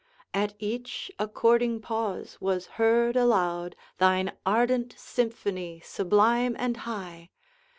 At each according pause was heard aloud Thine ardent symphony sublime and high!